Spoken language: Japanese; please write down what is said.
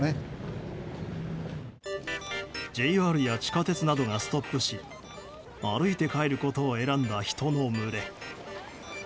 ＪＲや地下鉄などがストップし歩いて帰ることを選んだ人の群れ。